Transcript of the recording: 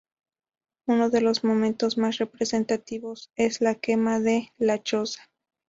Uno de los momentos más representativos es la quema de "la choza".